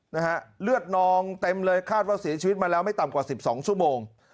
นะฮะเลือดนองเต็มเลยคาดว่าเสียชีวิตมาแล้วไม่ต่ำกว่าสิบสองชั่วโมง